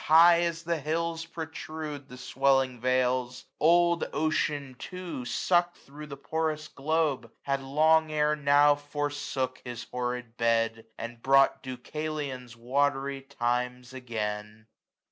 High as the hills protrude the swelling vales : Old Ocean too, suck'd thro' the porous globe. Had long ere now forsook his horrid bed. And brought Deucalion's watry times again.